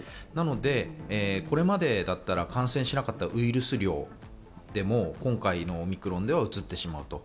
なので、これまでだったら感染しなかったウイルス量でも今回のオミクロンではうつってしまう。